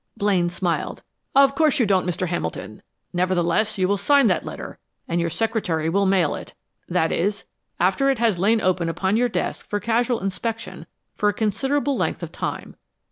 Blaine smiled. "Of course you don't, Mr. Hamilton. Nevertheless, you will sign that letter and your secretary will mail it that is, after it has lain open upon your desk for casual inspection for a considerable length of time.